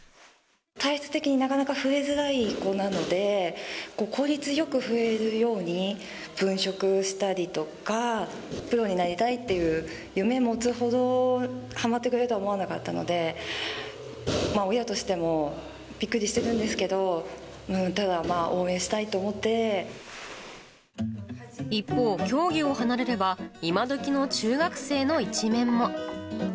体質的になかなか増えづらい子なので、効率よく増えるように分食したりとか、プロになりたいという夢持つほどはまってくれるとは思わなかったので、親としてもびっくりしてるんですけど、ただ応援したいと思一方、競技を離れれば、今どきの中学生の一面も。